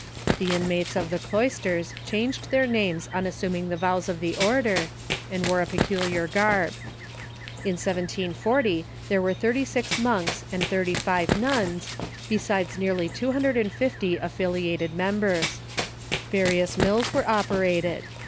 The inmates of the cloisters changed their names on assuming the vows of the order, and wore a peculiar garb. In 1740 there were thirty six monks and thirty five nuns, besides nearly two hundred and fifty af filiated membei's. Various mills were operated.